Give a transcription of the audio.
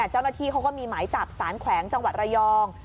เจ้าหน้าที่เขาก็มีหมายจับสารแขวงจังหวัดระยอง